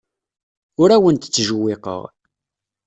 Ur awent-ttjewwiqeɣ.